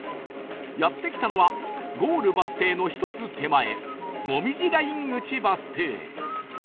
やって来たのはゴールバス停の１つ手前もみじライン口バス停